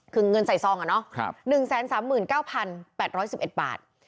คือเงินใส่ซองอะเนาะ๑๓๙๘๑๑บาท